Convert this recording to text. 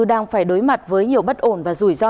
đang phải đối mặt với nhiều bất ổn và rủi ro